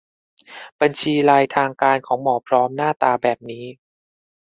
บัญชีไลน์ทางการของ หมอพร้อม หน้าตาแบบนี้